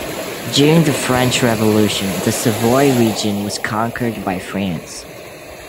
During the French Revolution, the Savoy region was conquered by France.